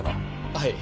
はい。